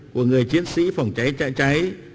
của người chiến sĩ phòng cháy chữa cháy